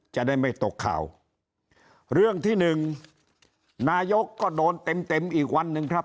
จะได้ไม่ตกข่าวเรื่องที่หนึ่งนายกก็โดนเต็มเต็มอีกวันหนึ่งครับ